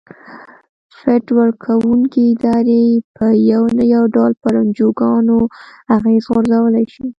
فنډ ورکوونکې ادارې په یو نه یو ډول پر انجوګانو اغیز غورځولای شي.